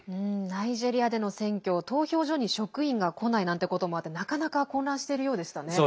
ナイジェリアでの選挙投票所に職員が来ないなんてこともあってなかなか混乱しているようでしたね。